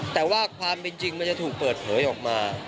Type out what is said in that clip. แต่ว่าความเป็นจริงมันจะถูกเปิดเผยออกมา